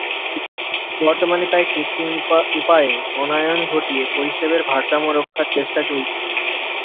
বর্তমানে তাই কৃত্রিম উপায়ে বনায়ন ঘটিয়ে পরিবেশের ভারসাম্য রক্ষার চেষ্টা চলছে।